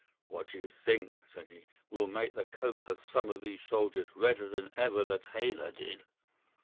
"'"What do you think?" said he. "We'll make the coats of some of these soldiers redder than ever the tailor did."